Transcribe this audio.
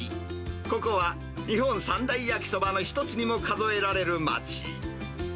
ここは日本三大焼きそばの一つにも数えられる町。